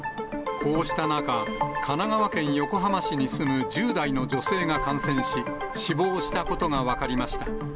こうした中、神奈川県横浜市に住む１０代の女性が感染し、死亡したことが分かりました。